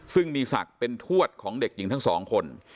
ซึ่งมีศักดิ์เป็นทวดของเด็กหญิงทั้งสองคน